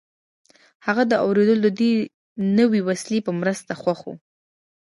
هغه د اورېدلو د دې نوې وسیلې په مرسته خوښ و